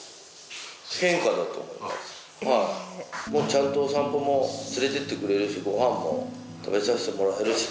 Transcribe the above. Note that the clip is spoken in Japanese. ちゃんとお散歩も連れてってくれるしご飯も食べさせてもらえるし。